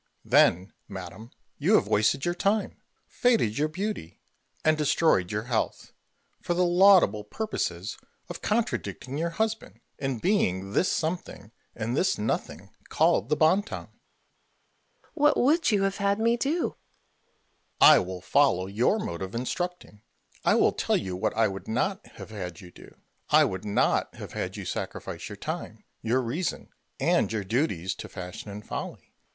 Mercury. Then, madam, you have wasted your time, faded your beauty, and destroyed your health, for the laudable purposes of contradicting your husband, and being this something and this nothing called the bon ton. Mrs. Modish. What would you have had me do? Mercury. I will follow your mode of instructing. I will tell you what I would not have had you do. I would not have had you sacrifice your time, your reason, and your duties, to fashion and folly.